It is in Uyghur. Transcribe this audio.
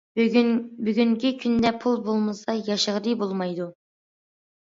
بۈگۈنكى كۈندە پۇل بولمىسا ياشىغىلى بولمايدۇ.